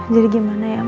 jadi gimana ya mas